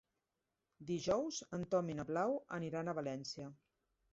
Dijous en Tom i na Blau aniran a València.